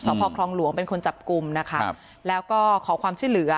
พ่อคลองหลวงเป็นคนจับกลุ่มนะคะครับแล้วก็ขอความช่วยเหลือ